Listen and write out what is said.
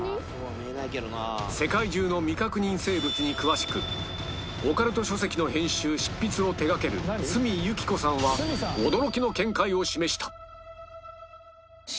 世界中の未確認生物に詳しくオカルト書籍の編集・執筆を手がける角由紀子さんは驚きの見解を示した